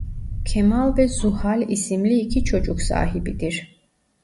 Kemal ve Zuhal isimli iki çocuk sahibidir.